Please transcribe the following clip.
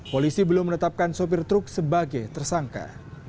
polisi belum menetapkan sopir truk sebagai tersangka